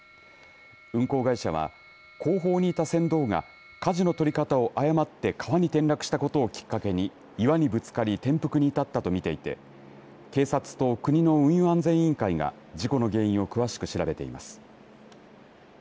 運航会社は後方にいた船頭がかじの取り方を誤って川に転落したことをきっかけに岩にぶつかり転覆に至ったと見ていて警察と国の運輸安全委員会が事故の原因を詳しく調べています。